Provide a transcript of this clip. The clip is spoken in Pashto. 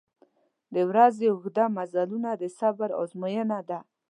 • د ورځې اوږده مزلونه د صبر آزموینه ده.